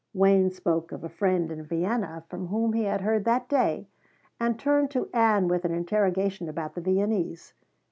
Wayne spoke of a friend in Vienna from whom he had heard that day and turned to Ann with an interrogation about the Viennese.